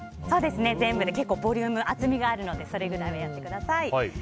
結構、ボリューム厚みがあるのでそれぐらいはやってください。